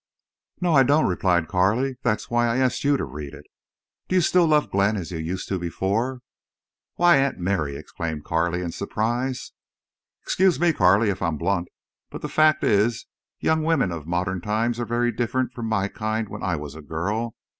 "No, I don't," replied Carley. "That's why I asked you to read it." "Do you still love Glenn as you used to before—" "Why, Aunt Mary!" exclaimed Carley, in surprise. "Excuse me, Carley, if I'm blunt. But the fact is young women of modern times are very different from my kind when I was a girl.